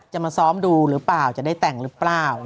จะมาซ้อมดูหรือเปล่าจะได้แต่งหรือเปล่า